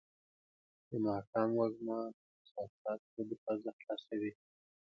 د ماښام وږمه د احساساتو دروازه خلاصوي.